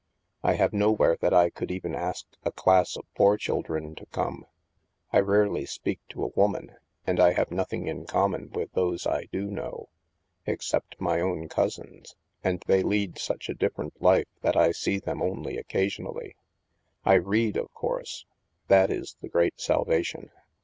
I have nowhere that I could even ask a class of poor chil dren to come. I rarely speak to a woman, and I have nothing in common with those I do know — except my own cousins, and they lead such a differ ent life that I see them only occasionally. I read, of course ; that is the great salvation.